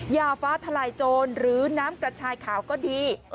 ยาฟ้าทลายโจรหรือน้ำกระชายขาวก็ดี